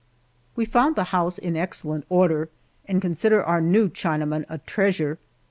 We found the house in excellent order, and consider our new Chinaman a treasure.